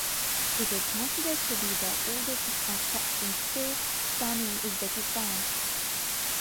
It is considered to be the oldest construction still standing in Uzbekistan.